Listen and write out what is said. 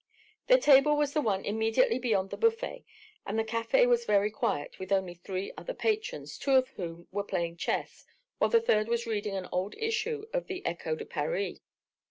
Their table was the one immediately beyond the buffet; and the café was very quiet, with only three other patrons, two of whom were playing chess while the third was reading an old issue of the Echo de Paris.